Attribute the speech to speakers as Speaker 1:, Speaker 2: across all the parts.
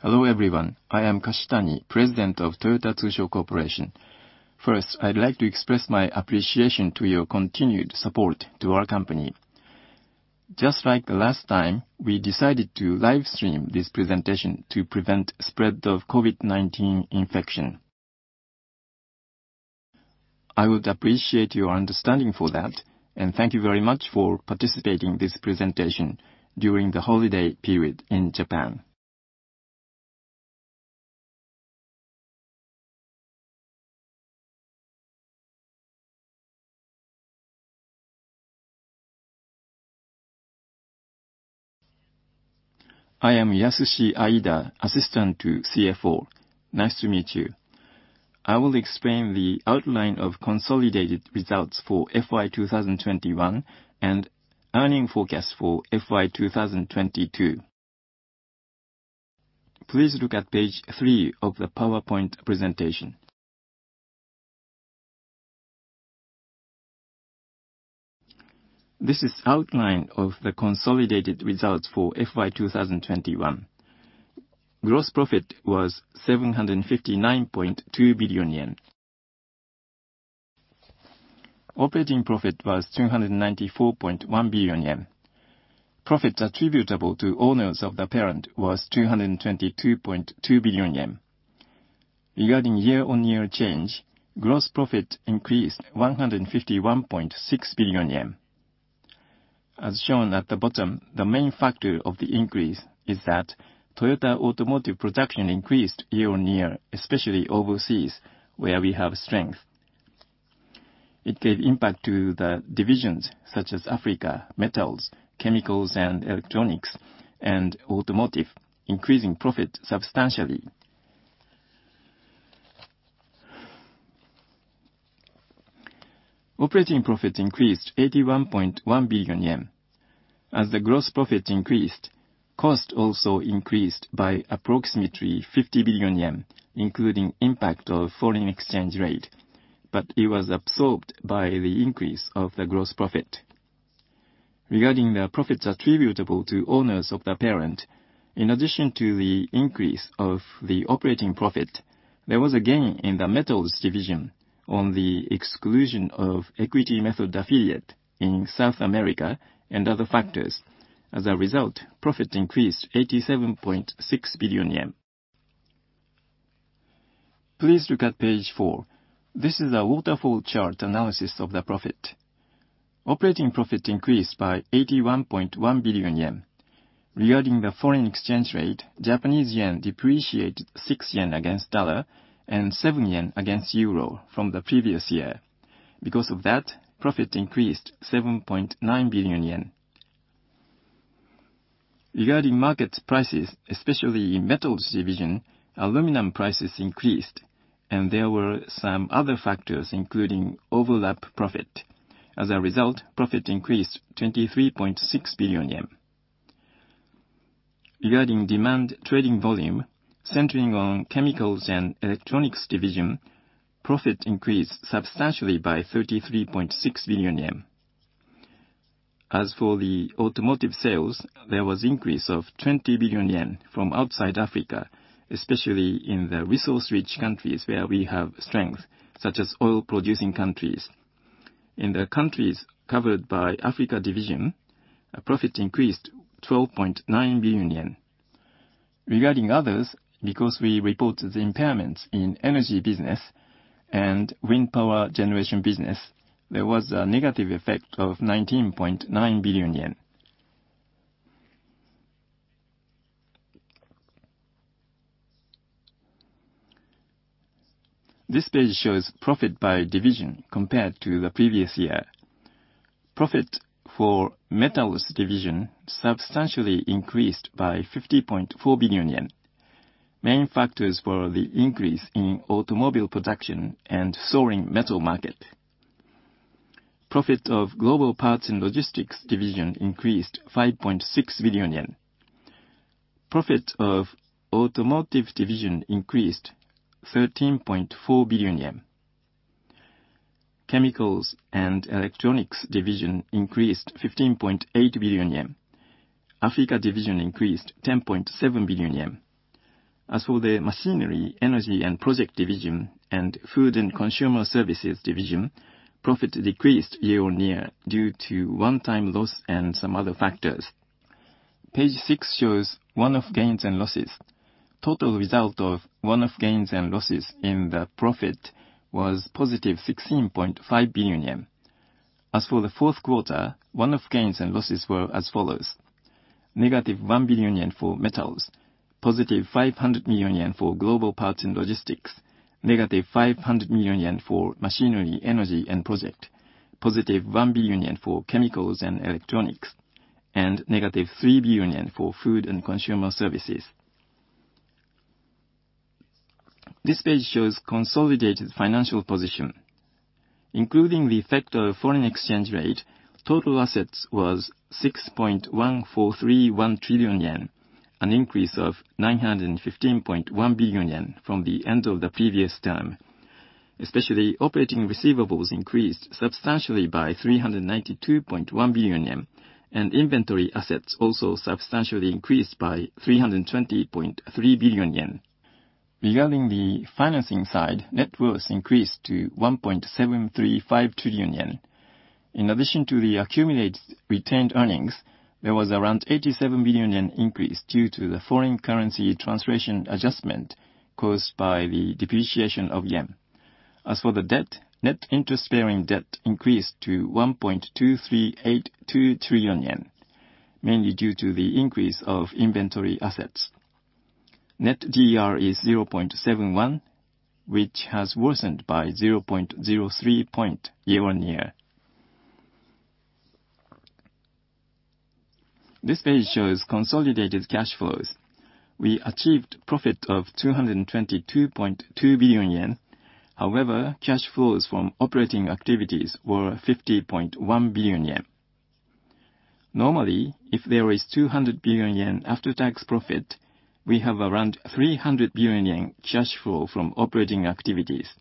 Speaker 1: Hello, everyone. I am Kashitani, President of Toyota Tsusho Corporation. First, I'd like to express my appreciation to your continued support to our company. Just like last time, we decided to live stream this presentation to prevent spread of COVID-19 infection. I would appreciate your understanding for that, and thank you very much for participating in this presentation during the holiday period in Japan.
Speaker 2: I am Yasushi Aida, Assistant to CFO. Nice to meet you. I will explain the outline of consolidated results for FY 2021 and earnings forecast for FY 2022. Please look at page 3 of the PowerPoint presentation. This is outline of the consolidated results for FY 2021. Gross profit was 759.2 billion yen. Operating profit was 294.1 billion yen. Profits attributable to owners of the parent was 222.2 billion yen. Regarding year-on-year change, gross profit increased 151.6 billion yen. As shown at the bottom, the main factor of the increase is that Toyota automotive production increased year-on-year, especially overseas, where we have strength. It gave impact to the divisions such as Africa, metals, chemicals and electronics, and automotive, increasing profit substantially. Operating profit increased 81.1 billion yen. As the gross profit increased, cost also increased by approximately 50 billion yen, including impact of foreign exchange rate, but it was absorbed by the increase of the gross profit. Regarding the profits attributable to owners of the parent, in addition to the increase of the operating profit, there was a gain in the metals division on the exclusion of equity method affiliate in South America and other factors. As a result, profit increased 87.6 billion yen. Please look at page 4. This is a waterfall chart analysis of the profit. Operating profit increased by 81.1 billion yen. Regarding the foreign exchange rate, Japanese yen depreciated 6 yen against dollar and 7 yen against euro from the previous year. Because of that, profit increased 7.9 billion yen. Regarding market prices, especially in metals division, aluminum prices increased, and there were some other factors, including overlap profit. As a result, profit increased 23.6 billion yen. Regarding demand trading volume, centering on chemicals and electronics division, profit increased substantially by 33.6 billion yen. As for the automotive sales, there was increase of 20 billion yen from outside Africa, especially in the resource-rich countries where we have strength, such as oil-producing countries. In the countries covered by Africa division, profit increased 12.9 billion yen. Regarding others, because we reported the impairments in energy business and wind power generation business, there was a negative effect of 19.9 billion yen. This page shows profit by division compared to the previous year. Profit for metals division substantially increased by 50.4 billion yen. Main factors were the increase in automobile production and soaring metal market. Profit of global parts and logistics division increased 5.6 billion yen. Profit of automotive division increased 13.4 billion yen. Chemicals and electronics division increased 15.8 billion yen. Africa division increased 10.7 billion yen. As for the machinery, energy and project division and food and consumer services division, profit decreased year-on-year due to one-time loss and some other factors. Page 6 shows one-off gains and losses. Total result of one-off gains and losses in the profit was +16.5 billion yen. As for the fourth quarter, one-off gains and losses were as follows. -1 billion yen for metals, +500 million yen for global parts and logistics, -500 million yen for machinery, energy and project, +1 billion yen for chemicals and electronics, and -3 billion yen for food and consumer services. This page shows consolidated financial position. Including the effect of foreign exchange rate, total assets was 6.1431 trillion yen, an increase of 915.1 billion yen from the end of the previous term. Especially operating receivables increased substantially by 392.1 billion yen, and inventory assets also substantially increased by 320.3 billion yen. Regarding the financing side, net worth increased to 1.735 trillion yen. In addition to the accumulated retained earnings, there was around 87 billion yen increase due to the foreign currency translation adjustment caused by the depreciation of yen. As for the debt, net interest-bearing debt increased to 1.2382 trillion yen, mainly due to the increase of inventory assets. Net DER is 0.71, which has worsened by 0.03 points year-on-year. This page shows consolidated cash flows. We achieved profit of 222.2 billion yen. However, cash flows from operating activities were 50.1 billion yen. Normally, if there is 200 billion yen after-tax profit, we have around 300 billion yen cash flow from operating activities.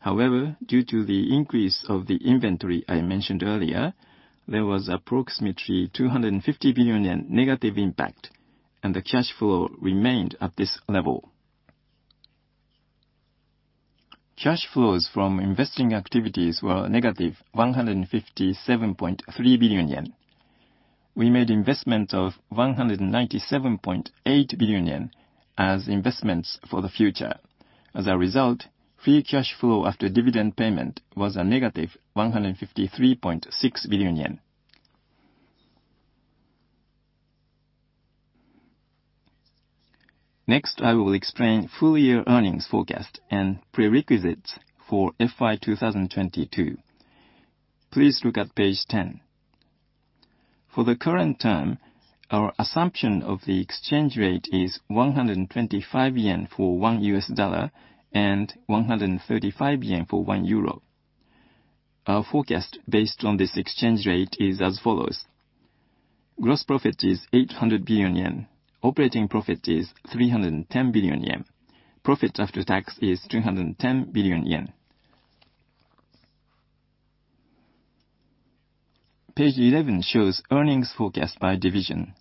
Speaker 2: However, due to the increase of the inventory I mentioned earlier, there was approximately a negative 250 billion yen impact, and the cash flow remained at this level. Cash flows from investing activities were -157.3 billion yen. We made investment of 197.8 billion yen as investments for the future. As a result, free cash flow after dividend payment was a -153.6 billion yen. Next, I will explain full year earnings forecast and prerequisites for FY 2022. Please look at page 10. For the current term, our assumption of the exchange rate is 125 yen for one US dollar and 135 yen for one euro. Our forecast based on this exchange rate is as follows. Gross profit is 800 billion yen. Operating profit is 310 billion yen. Profit after tax is 210 billion yen. Page 11 shows earnings forecast by division.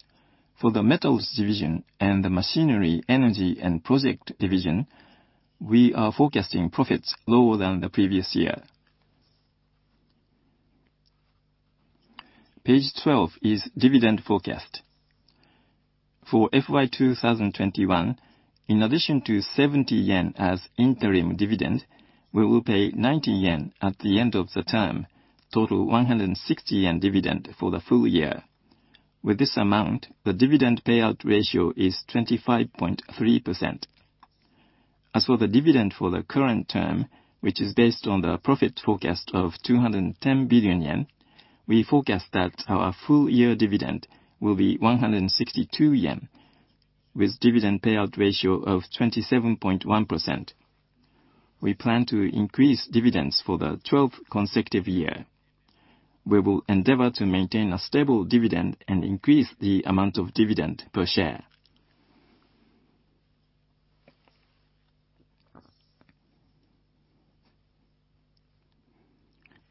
Speaker 2: For the metals division and the machinery, energy and project division, we are forecasting profits lower than the previous year. Page 12 is dividend forecast. For FY 2021, in addition to 70 yen as interim dividend, we will pay 90 yen at the end of the term, total 160 yen dividend for the full year. With this amount, the dividend payout ratio is 25.3%. As for the dividend for the current term, which is based on the profit forecast of 210 billion yen, we forecast that our full year dividend will be 162 yen, with dividend payout ratio of 27.1%. We plan to increase dividends for the twelfth consecutive year. We will endeavor to maintain a stable dividend and increase the amount of dividend per share.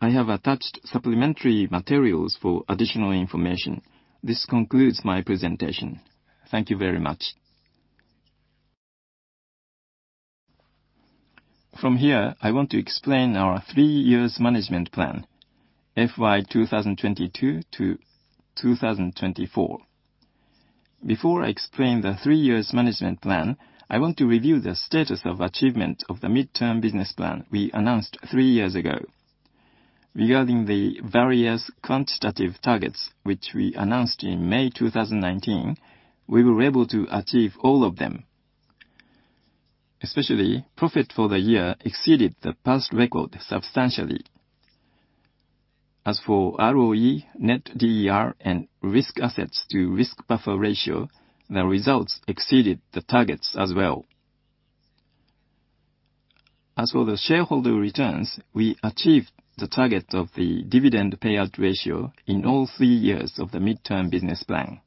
Speaker 2: I have attached supplementary materials for additional information. This concludes my presentation. Thank you very much.
Speaker 1: From here, I want to explain our three years management plan, FY 2022 to 2024. Before I explain the three years management plan, I want to review the status of achievement of the midterm business plan we announced three years ago. Regarding the various quantitative targets which we announced in May 2019, we were able to achieve all of them. Especially, profit for the year exceeded the past record substantially. As for ROE, net DER, and risk assets to risk buffer ratio, the results exceeded the targets as well. As for the shareholder returns, we achieved the target of the dividend payout ratio in all three years of the midterm business plan.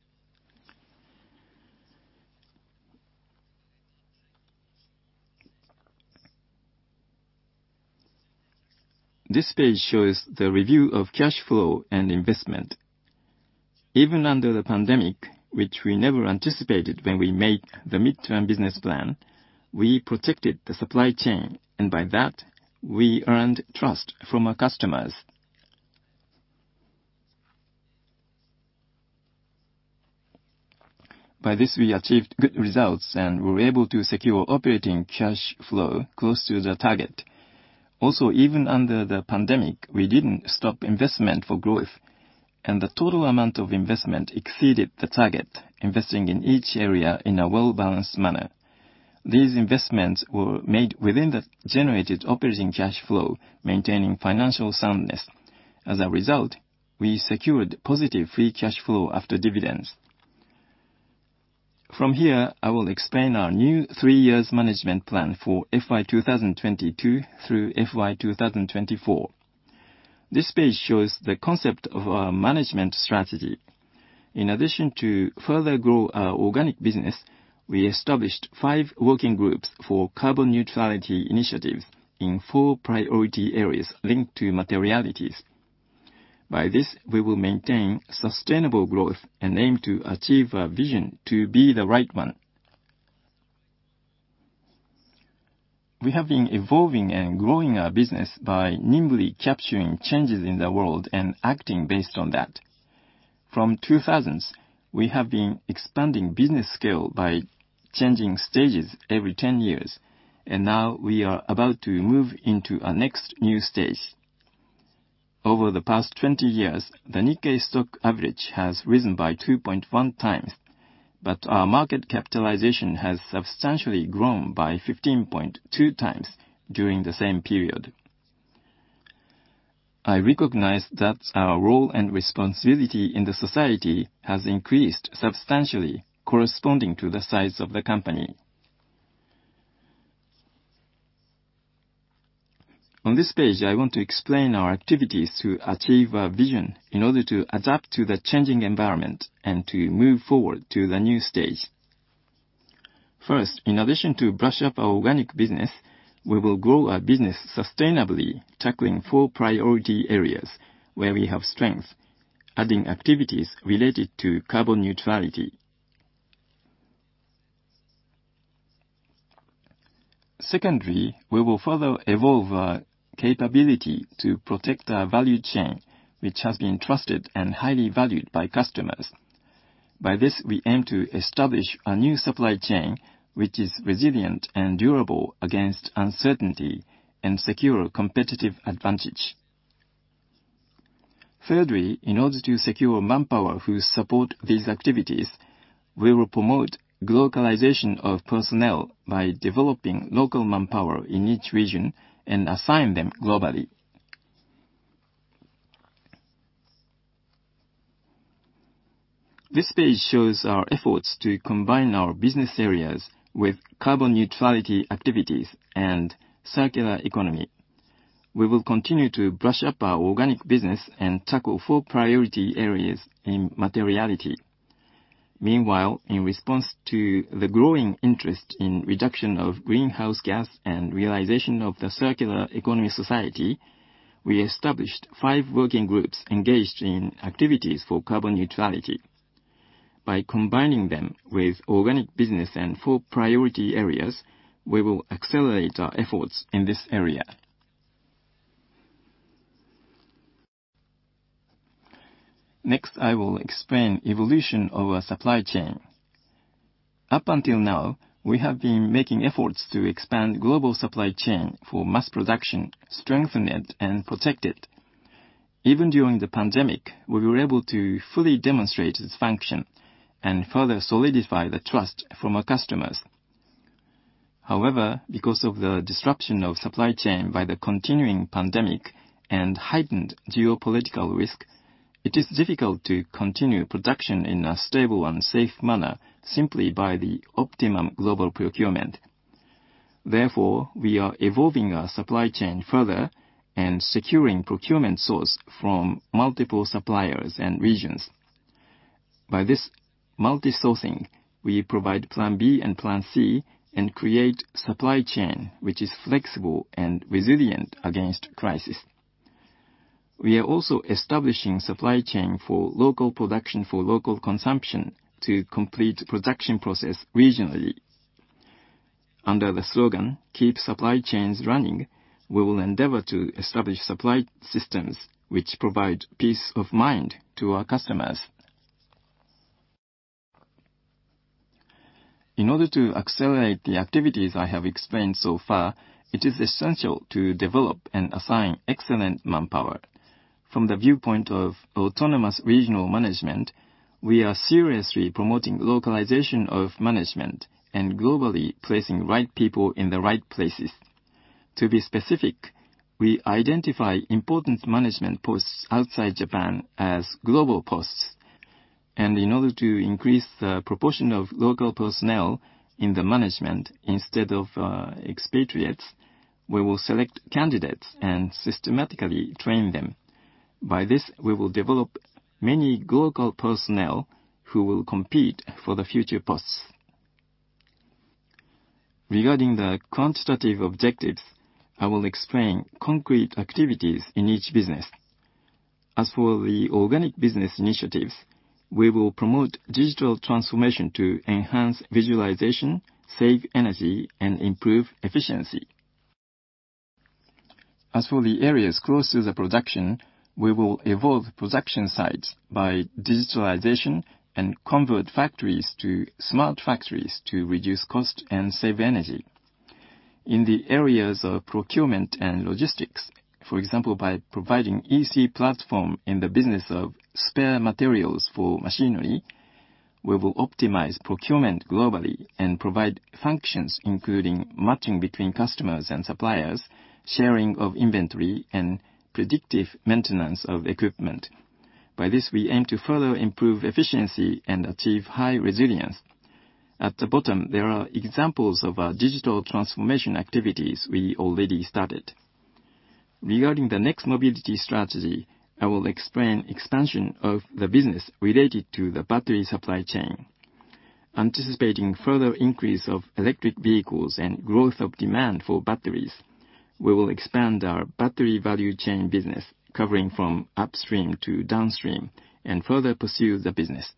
Speaker 1: This page shows the review of cash flow and investment. Even under the pandemic, which we never anticipated when we made the midterm business plan, we protected the supply chain, and by that, we earned trust from our customers. By this, we achieved good results and were able to secure operating cash flow close to the target. Also, even under the pandemic, we didn't stop investment for growth, and the total amount of investment exceeded the target, investing in each area in a well-balanced manner. These investments were made within the generated operating cash flow, maintaining financial soundness. As a result, we secured positive free cash flow after dividends. From here, I will explain our new 3-year management plan for FY 2022 through FY 2024. This page shows the concept of our management strategy. In addition to further grow our organic business, we established five working groups for carbon neutrality initiatives in four priority areas linked to materialities. By this, we will maintain sustainable growth and aim to achieve our vision to be the right one. We have been evolving and growing our business by nimbly capturing changes in the world and acting based on that. From the 2000s, we have been expanding business scale by changing stages every 10 years, and now we are about to move into our next new stage. Over the past 20 years, the Nikkei stock average has risen by 2.1 times, but our market capitalization has substantially grown by 15.2 times during the same period. I recognize that our role and responsibility in the society has increased substantially corresponding to the size of the company. On this page, I want to explain our activities to achieve our vision in order to adapt to the changing environment and to move forward to the new stage. First, in addition to brush up our organic business, we will grow our business sustainably, tackling four priority areas where we have strength, adding activities related to carbon neutrality. Secondly, we will further evolve our capability to protect our value chain, which has been trusted and highly valued by customers. By this, we aim to establish a new supply chain which is resilient and durable against uncertainty and secure competitive advantage. Thirdly, in order to secure manpower who support these activities, we will promote glocalization of personnel by developing local manpower in each region and assign them globally. This page shows our efforts to combine our business areas with carbon neutrality activities and circular economy. We will continue to brush up our organic business and tackle four priority areas in materiality. Meanwhile, in response to the growing interest in reduction of greenhouse gas and realization of the circular economy society, we established five working groups engaged in activities for carbon neutrality. By combining them with organic business and four priority areas, we will accelerate our efforts in this area. Next, I will explain evolution of our supply chain. Up until now, we have been making efforts to expand global supply chain for mass production, strengthen it, and protect it. Even during the pandemic, we were able to fully demonstrate its function and further solidify the trust from our customers. However, because of the disruption of supply chain by the continuing pandemic and heightened geopolitical risk, it is difficult to continue production in a stable and safe manner simply by the optimum global procurement. Therefore, we are evolving our supply chain further and securing procurement source from multiple suppliers and regions. By this multi-sourcing, we provide plan B and plan C and create supply chain which is flexible and resilient against crisis. We are also establishing supply chain for local production for local consumption to complete production process regionally. Under the slogan, "Keep supply chains running," we will endeavor to establish supply systems which provide peace of mind to our customers. In order to accelerate the activities I have explained so far, it is essential to develop and assign excellent manpower. From the viewpoint of autonomous regional management, we are seriously promoting localization of management and globally placing right people in the right places. To be specific, we identify important management posts outside Japan as global posts, and in order to increase the proportion of local personnel in the management instead of expatriates, we will select candidates and systematically train them. By this, we will develop many local personnel who will compete for the future posts. Regarding the quantitative objectives, I will explain concrete activities in each business. As for the organic business initiatives, we will promote digital transformation to enhance visualization, save energy, and improve efficiency. As for the areas close to the production, we will evolve production sites by digitalization and convert factories to smart factories to reduce cost and save energy. In the areas of procurement and logistics, for example, by providing EC platform in the business of spare materials for machinery, we will optimize procurement globally and provide functions, including matching between customers and suppliers, sharing of inventory, and predictive maintenance of equipment. By this, we aim to further improve efficiency and achieve high resilience. At the bottom, there are examples of our digital transformation activities we already started. Regarding the next mobility strategy, I will explain expansion of the business related to the battery supply chain. Anticipating further increase of electric vehicles and growth of demand for batteries, we will expand our battery value chain business covering from upstream to downstream and further pursue the business.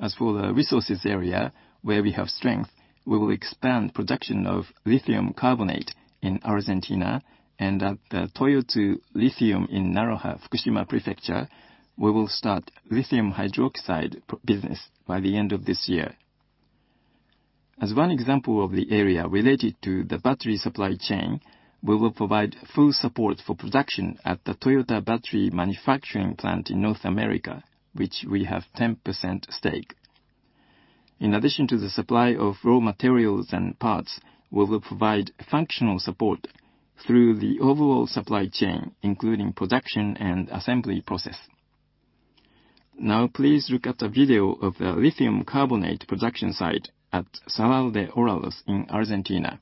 Speaker 1: As for the resources area where we have strength, we will expand production of lithium carbonate in Argentina and at the Toyotsu Lithium in Naraha, Fukushima Prefecture, we will start lithium hydroxide business by the end of this year. As one example of the area related to the battery supply chain, we will provide full support for production at the Toyota battery manufacturing plant in North America, which we have 10% stake. In addition to the supply of raw materials and parts, we will provide functional support through the overall supply chain, including production and assembly process. Now please look at a video of the lithium carbonate production site at Salar de Olaroz in Argentina.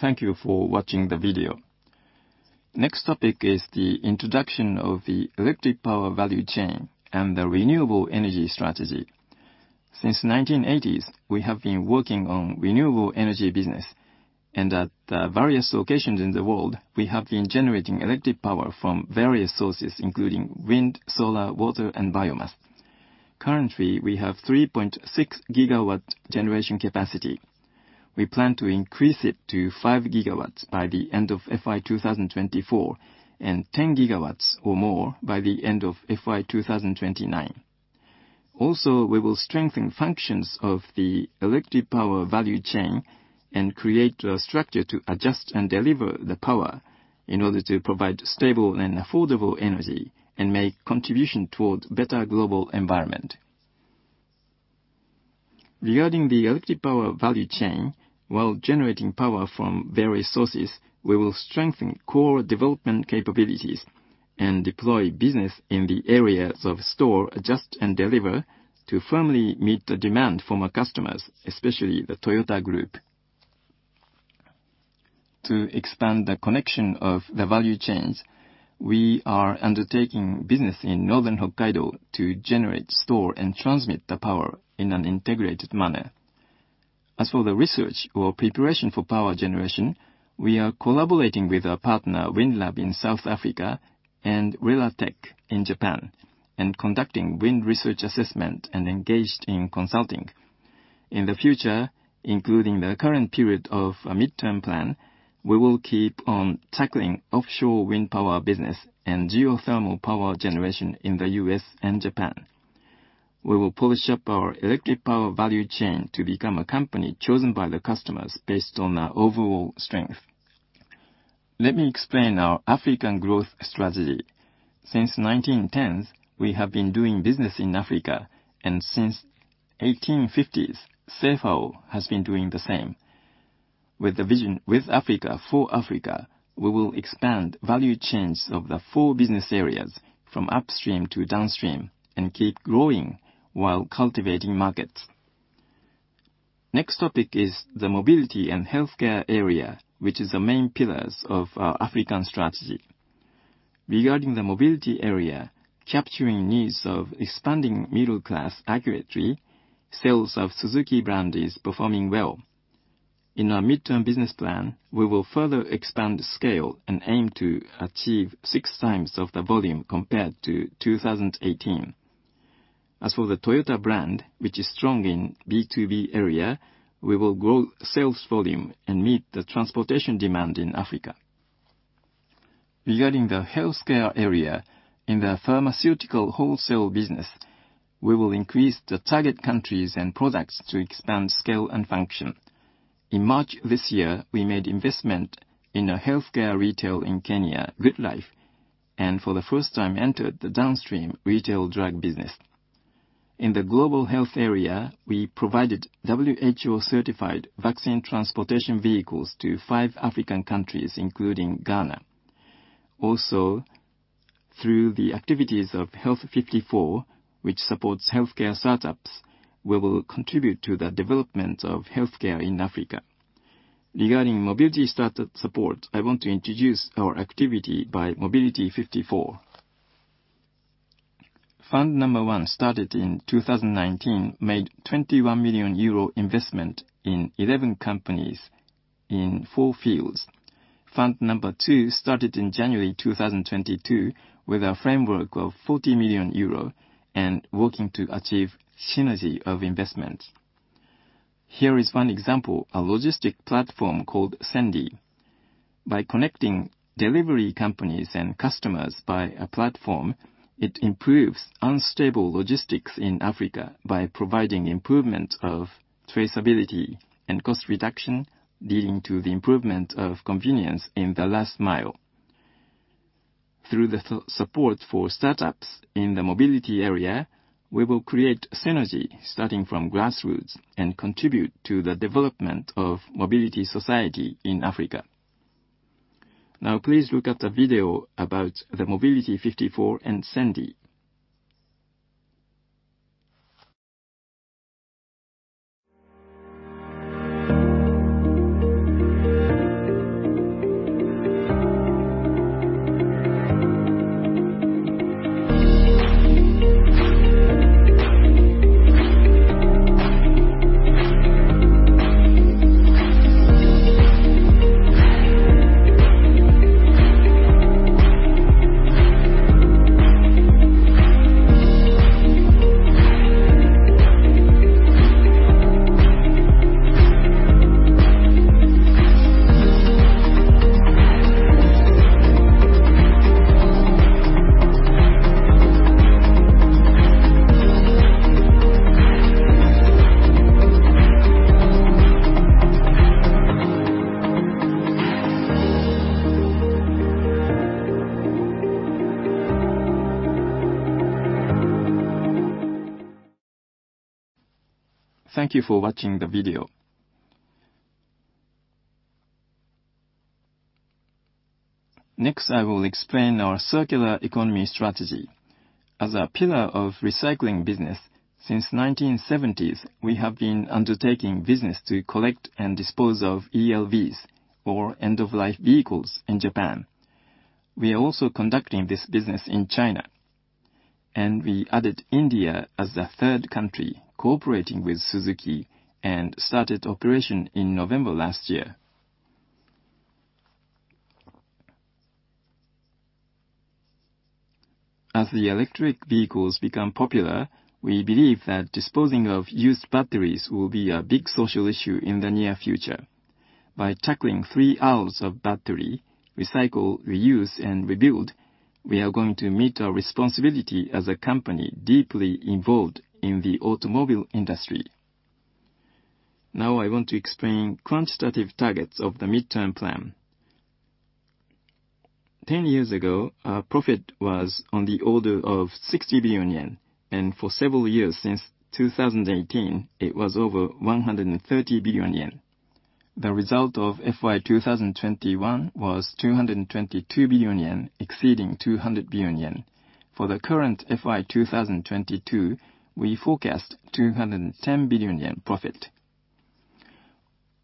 Speaker 1: Thank you for watching the video. Next topic is the introduction of the electric power value chain and the renewable energy strategy. Since 1980s, we have been working on renewable energy business and at various locations in the world, we have been generating electric power from various sources, including wind, solar, water and biomass. Currently, we have 3.6 GW generation capacity. We plan to increase it to 5 GW by the end of FY 2024 and 10 GW or more by the end of FY 2029. Also, we will strengthen functions of the electric power value chain and create a structure to adjust and deliver the power in order to provide stable and affordable energy and make contribution towards better global environment. Regarding the electric power value chain, while generating power from various sources, we will strengthen core development capabilities and deploy business in the areas of store, adjust and deliver to firmly meet the demand from our customers, especially the Toyota Group. To expand the connection of the value chains, we are undertaking business in northern Hokkaido to generate, store and transmit the power in an integrated manner. As for the research or preparation for power generation, we are collaborating with our partner, Windlab in South Africa and Rera Tech in Japan, and conducting wind research assessment and engaged in consulting. In the future, including the current period of a midterm plan, we will keep on tackling offshore wind power business and geothermal power generation in the U.S. and Japan. We will polish up our electric power value chain to become a company chosen by the customers based on our overall strength. Let me explain our African growth strategy. Since the 1910s, we have been doing business in Africa, and since the 1850s, CFAO has been doing the same. With the vision with Africa, for Africa, we will expand value chains of the four business areas from upstream to downstream and keep growing while cultivating markets. Next topic is the mobility and healthcare area, which is the main pillars of our African strategy. Regarding the mobility area, capturing needs of expanding middle class accurately, sales of Suzuki brand is performing well. In our midterm business plan, we will further expand scale and aim to achieve six times of the volume compared to 2018. As for the Toyota brand, which is strong in B2B area, we will grow sales volume and meet the transportation demand in Africa. Regarding the healthcare area, in the pharmaceutical wholesale business, we will increase the target countries and products to expand scale and function. In March this year, we made investment in a healthcare retail in Kenya, Goodlife, and for the first time entered the downstream retail drug business. In the global health area, we provided WHO-certified vaccine transportation vehicles to five African countries, including Ghana. Through the activities of Health54, which supports healthcare startups, we will contribute to the development of healthcare in Africa. Regarding mobility startup support, I want to introduce our activity by Mobility 54. Fund number one, started in 2019, made 21 million euro investment in 11 companies in four fields. Fund number two started in January 2022 with a framework of 40 million euro and working to achieve synergy of investments. Here is one example, a logistics platform called Sendy. By connecting delivery companies and customers by a platform, it improves unstable logistics in Africa by providing improvement of traceability and cost reduction, leading to the improvement of convenience in the last mile. Through the support for startups in the mobility area, we will create synergy starting from grassroots and contribute to the development of mobility society in Africa. Now please look at the video about the Mobility 54 and Sendy. Thank you for watching the video. Next, I will explain our circular economy strategy. As a pillar of recycling business, since the 1970s, we have been undertaking business to collect and dispose of ELVs, or end-of-life vehicles, in Japan. We are also conducting this business in China, and we added India as a third country, cooperating with Suzuki, and started operation in November last year. As electric vehicles become popular, we believe that disposing of used batteries will be a big social issue in the near future. By tackling three Rs of battery, recycle, reuse, and rebuild, we are going to meet our responsibility as a company deeply involved in the automobile industry. Now I want to explain quantitative targets of the midterm plan. 10 years ago, our profit was on the order of 60 billion yen, and for several years since 2018, it was over 130 billion yen. The result of FY 2021 was 222 billion yen, exceeding 200 billion yen. For the current FY 2022, we forecast 210 billion yen profit.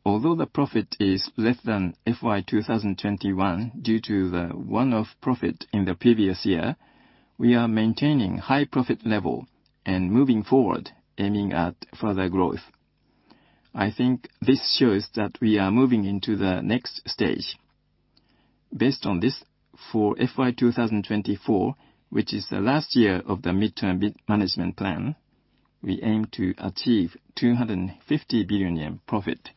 Speaker 1: Although the profit is less than FY 2021 due to the one-off profit in the previous year, we are maintaining high profit level and moving forward, aiming at further growth. I think this shows that we are moving into the next stage. Based on this, for FY 2024, which is the last year of the medium-term management plan, we aim to achieve 250 billion yen profit.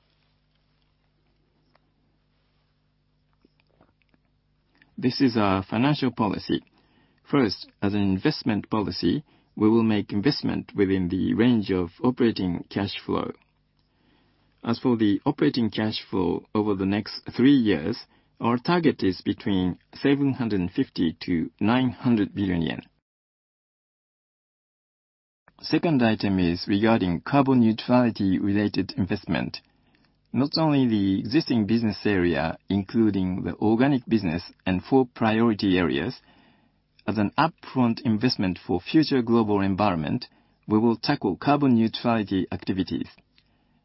Speaker 1: This is our financial policy. First, as an investment policy, we will make investment within the range of operating cash flow. As for the operating cash flow over the next three years, our target is between 750 billion-900 billion yen. Second item is regarding carbon neutrality related investment. Not only the existing business area, including the ongoing business and four priority areas, as an upfront investment for future global environment, we will tackle carbon neutrality activities.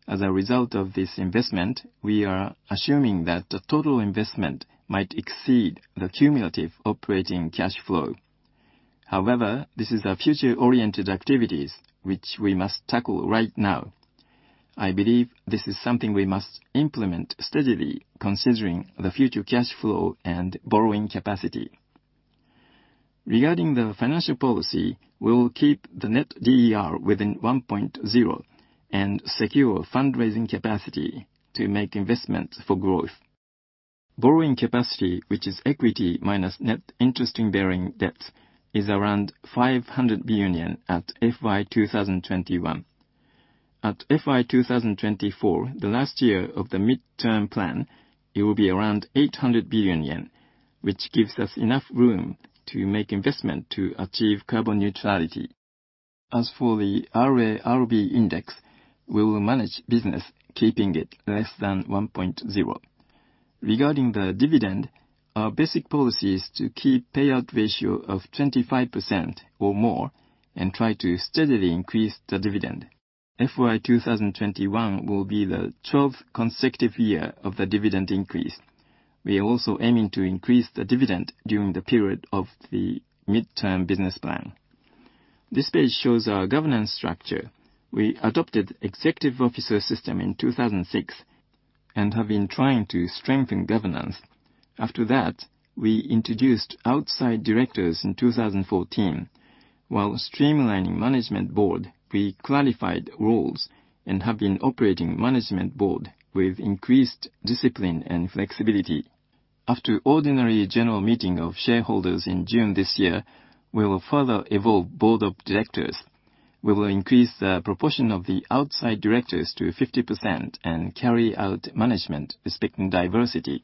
Speaker 1: As a result of this investment, we are assuming that the total investment might exceed the cumulative operating cash flow. However, this is our future-oriented activities which we must tackle right now. I believe this is something we must implement steadily, considering the future cash flow and borrowing capacity. Regarding the financial policy, we'll keep the net DER within 1.0 and secure fundraising capacity to make investments for growth. Borrowing capacity, which is equity minus net interest-bearing debt, is around 500 billion yen at FY 2021. At FY 2024, the last year of the midterm plan, it will be around 800 billion yen, which gives us enough room to make investment to achieve carbon neutrality. As for the RARB index, we will manage business keeping it less than 1.0. Regarding the dividend, our basic policy is to keep payout ratio of 25% or more and try to steadily increase the dividend. FY 2021 will be the 12th consecutive year of the dividend increase. We are also aiming to increase the dividend during the period of the midterm business plan. This page shows our governance structure. We adopted executive officer system in 2006 and have been trying to strengthen governance. After that, we introduced outside directors in 2014. While streamlining management board, we clarified roles and have been operating management board with increased discipline and flexibility. After ordinary general meeting of shareholders in June this year, we will further evolve board of directors. We will increase the proportion of the outside directors to 50% and carry out management respecting diversity.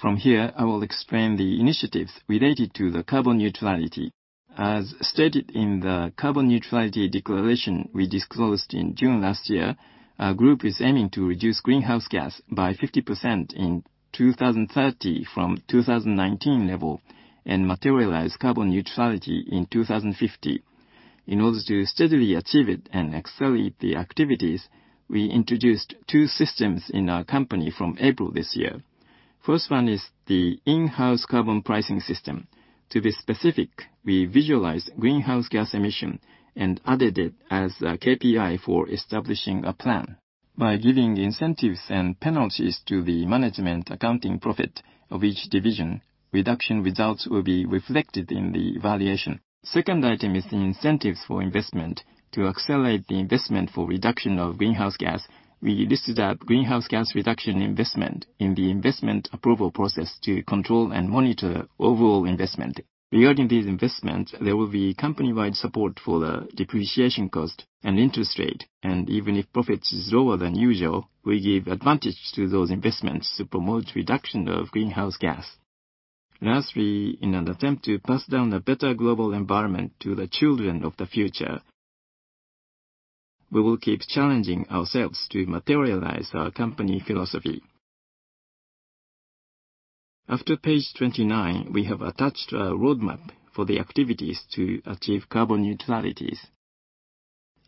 Speaker 1: From here, I will explain the initiatives related to the carbon neutrality. As stated in the carbon neutrality declaration we disclosed in June last year, our group is aiming to reduce greenhouse gas by 50% in 2030 from 2019 level and materialize carbon neutrality in 2050. In order to steadily achieve it and accelerate the activities, we introduced two systems in our company from April this year. First one is the in-house carbon pricing system. To be specific, we visualized greenhouse gas emission and added it as a KPI for establishing a plan. By giving incentives and penalties to the management accounting profit of each division, reduction results will be reflected in the evaluation. Second item is the incentives for investment. To accelerate the investment for reduction of greenhouse gas, we listed a greenhouse gas reduction investment in the investment approval process to control and monitor overall investment. Regarding these investments, there will be company-wide support for the depreciation cost and interest rate, and even if profits is lower than usual, we give advantage to those investments to promote reduction of greenhouse gas. Lastly, in an attempt to pass down a better global environment to the children of the future, we will keep challenging ourselves to materialize our company philosophy. After page 29, we have attached a roadmap for the activities to achieve carbon neutrality.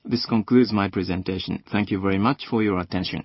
Speaker 1: This concludes my presentation. Thank you very much for your attention.